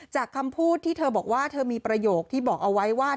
คำพูดที่เธอบอกว่าเธอมีประโยคที่บอกเอาไว้ว่า